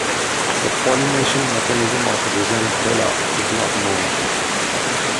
The pollination mechanism of "Rhizanthella" is not known.